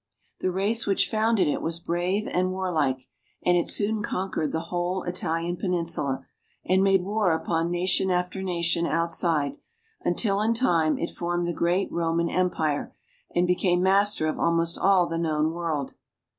The race which founded it was brave and warlike, and it soon conquered the whole Italian peninsula, and made war upon nation after nation outside, until in time it formed the great Roman Empire, and became master of almost all the known world.